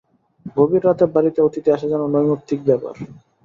গভীর রাতে বাড়িতে অতিথি আসা যেন নৈমিত্তিক ব্যাপার।